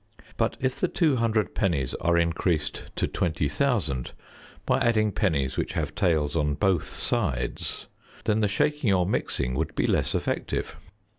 But if the two hundred pennies are increased to 20,000 by adding pennies which have tails on both sides, then the shaking or mixing would be less effective.